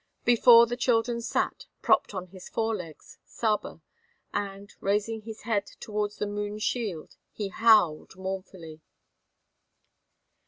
Before the children sat, propped on his fore legs, Saba, and, raising his head towards the moon's shield, he howled mournfully.